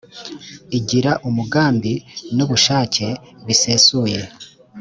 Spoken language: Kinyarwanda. igira umugambi n ubushake bisesuye